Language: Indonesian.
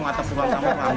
semua sama tanggal